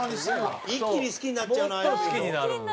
一気に好きになっちゃうな今の。